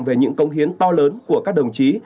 về những công hiến to lớn của các đồng chí